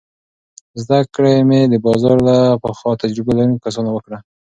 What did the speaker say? زده کړه مې د بازار له پخو او تجربه لرونکو کسانو وکړه.